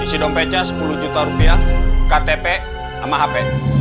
isi dompetnya sepuluh juta rupiah ktp sama hp